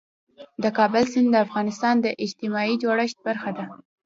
د کابل سیند د افغانستان د اجتماعي جوړښت برخه ده.